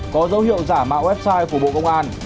có dấu hiệu giả mạo website của bộ công an